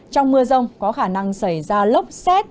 trong mưa rông có khả năng xảy ra lốc xét